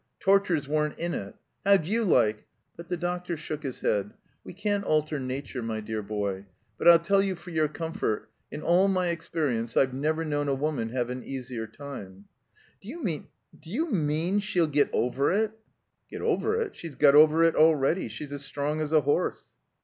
Tortures weren't in it. How'd you like —" But the doctor shook his head. •' We can't alter Nature, my dear boy. But 111 tell you for your comfort — ^in all my experience I've never known a woman have an easier time." "D'you mean — d'you mean — she'll get over it?" "Get over it? She's got over it already. She's as strong as a horse."